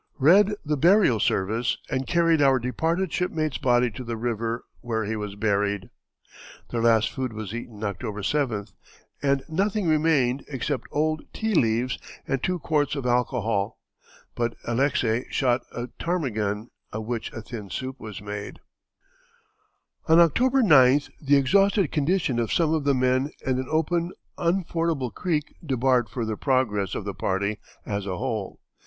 Read the burial service and carried our departed shipmate's body to the river, where he was buried." Their last food was eaten October 7th, and nothing remained except old tea leaves and two quarts of alcohol; but Alexey shot a ptarmigan, of which a thin soup was made. [Illustration: Noros and Nindermann.] On October 9th the exhausted condition of some of the men and an open, unfordable creek debarred further progress of the party as a whole.